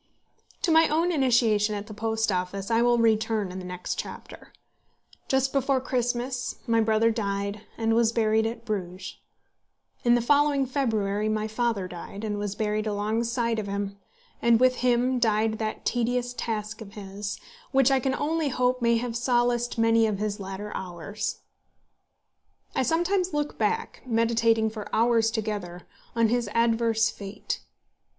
To my own initiation at the Post Office I will return in the next chapter. Just before Christmas my brother died, and was buried at Bruges. In the following February my father died, and was buried alongside of him, and with him died that tedious task of his, which I can only hope may have solaced many of his latter hours. I sometimes look back, meditating for hours together, on his adverse fate.